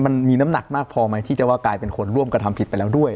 มันมีน้ำหนักมากพอไหมที่จะว่ากลายเป็นคนร่วมกระทำผิดไปแล้วด้วย